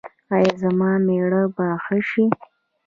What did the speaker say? ایا زما میړه به ښه شي؟